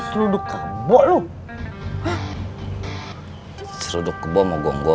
saya sudah terlalu sedih karena saya menggonggol